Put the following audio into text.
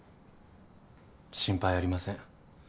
心配ありません。